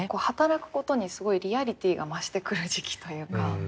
働くことにすごいリアリティーが増してくる時期というか。